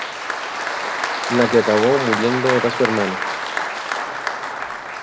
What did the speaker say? La que acaba muriendo es su hermana.